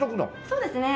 そうですね。